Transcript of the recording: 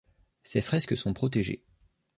Ces fresques sont protégées.